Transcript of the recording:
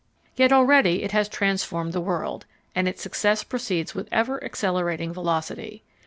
Yet already it has transformed the world, and its success proceeds with ever accelerating velocity.